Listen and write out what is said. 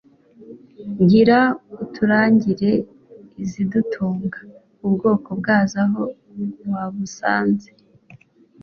Gira uturangire izidutunga, Ubwoko bwazo aho wabusanze?"